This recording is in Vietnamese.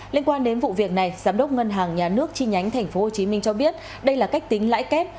liên quan đến vụ việc này giám đốc ngân hàng nhà nước chi nhánh tp hcm cho biết đây là cách tính lãi kép